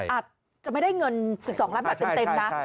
อาจจะไม่ได้เงิน๑๒ล้านบาทเต็มนะ